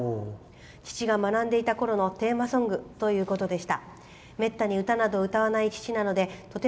父が学んでいたころのテーマソングということでした。